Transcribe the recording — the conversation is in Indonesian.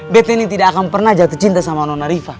bet ini tidak akan pernah jatuh cinta sama non arifah